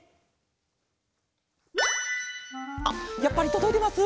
あっやっぱりとどいてます？